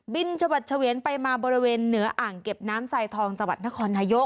บินชะวัดเฉวียนไปมาบริเวณเหนืออ่างเก็บน้ำไซทองจักรนครนายก